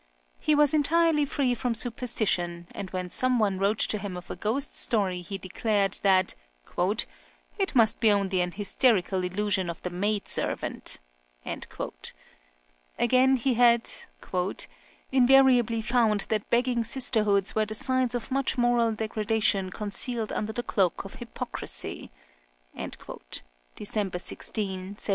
He was entirely free from superstition, and when some one wrote to him of a ghost story he declared that "it must be only an hysterical illusion of the maid servant." Again, he had "invariably found that begging sisterhoods were the signs of much moral degradation concealed under the cloak of hypocrisy" (December 16, 1785).